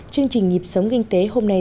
chương trình nhịp sống kinh tế hôm nay